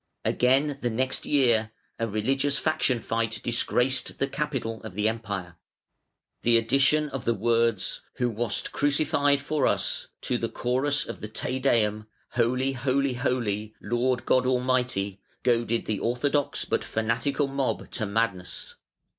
Again, the next year, a religious faction fight disgraced the capital of the Empire. (511) The addition of the words "Who wast crucified for us" to the chorus of the Te Deum, "Holy, Holy, Holy, Lord God Almighty", goaded the orthodox but fanatical mob to madness.